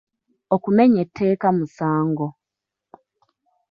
Okumenya etteeka musango.